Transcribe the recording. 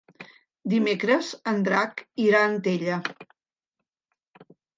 Dimecres en Drac irà a Antella.